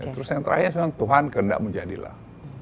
terus yang terakhir tuhan kehendakmu jadilah